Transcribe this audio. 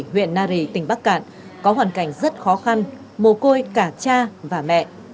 huyện nari tỉnh bắc cạn có hoàn cảnh rất khó khăn mồ côi cả cha và mẹ